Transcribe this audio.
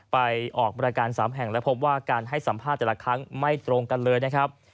ไปออกบริการ๓แห่งและพบว่าการให้สัมภาษณ์แต่ละครั้งไม่ตรงกันเลยนะครับ